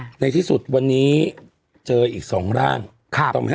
ค่ะในที่สุดวันนี้เจออีกสองร่างครับ